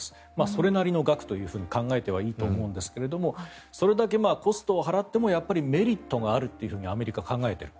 それなりの額と考えてはいいと思うんですがそれだけコストを払ってもメリットがあるというふうにアメリカは考えている。